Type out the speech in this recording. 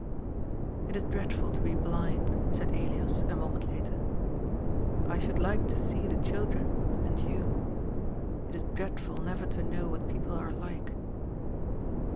'* It is dreadful to be blind," said Elias a moment later. " I should like to see the children, and you. It is dreadful never to know what people are like."